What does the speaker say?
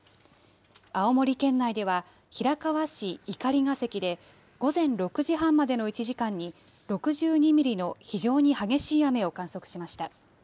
青森県内では平川市碇ヶ関で午前６時半までの１時間に６２ミリの非常に激しい雨を観測しました。